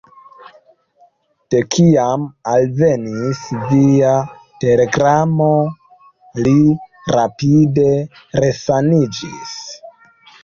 De kiam alvenis via telegramo, li rapide resaniĝis.